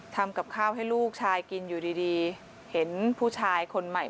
ทำกับข้าวให้ลูกชายกินอยู่ดีเห็นผู้ชายคนใหม่